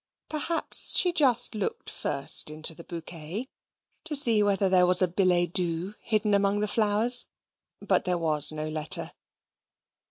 Perhaps she just looked first into the bouquet, to see whether there was a billet doux hidden among the flowers; but there was no letter.